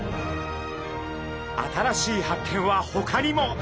新しい発見はほかにも。